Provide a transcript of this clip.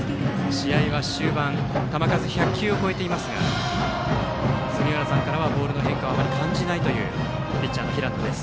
試合は終盤球数１００球を超えていますが杉浦さんからはボールの変化はあまり感じられないというピッチャーの平野です。